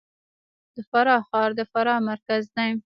د فراه ښار د فراه مرکز دی